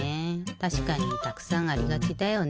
たしかにたくさんありがちだよね。